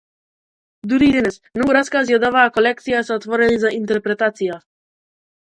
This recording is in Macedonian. Дури и денес, многу раскази од оваа колекција се отворени за интерпретација.